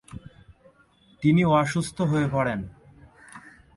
তিনি অসুস্থ্য হয়ে পড়েন।